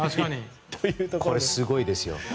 これ、すごいですよ。